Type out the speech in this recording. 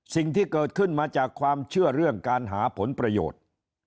สิ่งที่เกิดขึ้นมาจากความเชื่อเรื่องการหาผลประโยชน์